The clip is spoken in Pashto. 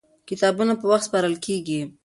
کتابونه په وخت سپارل کېږي.